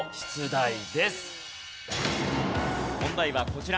問題はこちら。